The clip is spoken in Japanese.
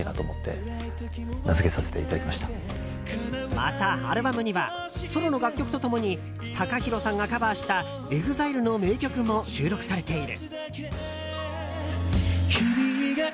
また、アルバムにはソロの楽曲と共にＴＡＫＡＨＩＲＯさんがカバーしたＥＸＩＬＥの名曲も収録されている。